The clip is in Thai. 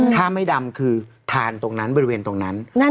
ถ้าไม่ดำคือทานตรงนั้นบริเวณตรงนั้น